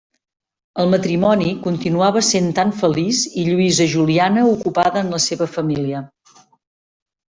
El matrimoni continuava sent tan feliç i Lluïsa Juliana ocupada en la seva família.